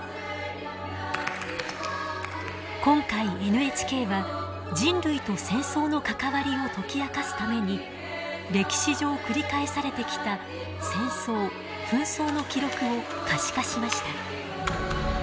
今回ＮＨＫは人類と戦争の関わりを解き明かすために歴史上繰り返されてきた戦争・紛争の記録を可視化しました。